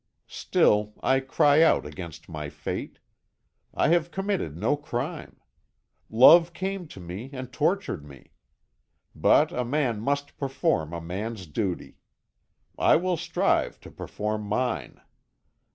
"Still, I cry out against my fate. I have committed no crime. Love came to me and tortured me. But a man must perform a man's duty. I will strive to perform mine.